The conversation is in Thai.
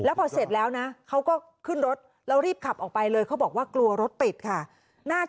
พอเสร็จแล้วนะเขาก็ขึ้นรถแล้วรีบขับออกไปเลยเขาบอกว่ากลัวรถติดค่ะ